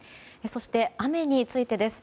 そして、雨についてです。